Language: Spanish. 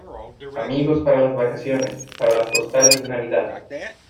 amigos para las vacaciones, para las postales de Navidad